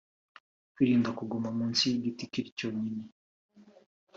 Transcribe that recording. kwirinda kugama munsi y’igiti kiri cyonyine